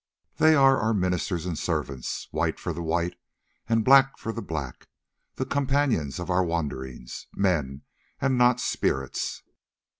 "They are our ministers and servants, white for the white, and black for the black, the companions of our wanderings, men and not spirits."